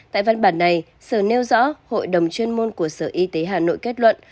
tại văn bản này sở nêu rõ hội đồng chuyên môn của sở y tế hà nội kết luận